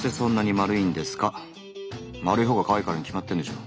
丸いほうがカワイイからに決まってんでしょ。